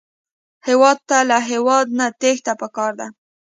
هېواد ته له هېواده نه تېښته پکار نه ده